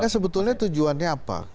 sebetulnya tujuannya apa